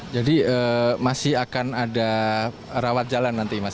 masih akan ada rawat jalan nanti mas